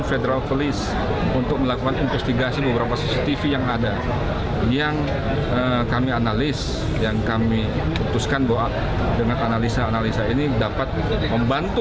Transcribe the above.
penyidik polri blikjan polisi muhammad iqbal mengatakan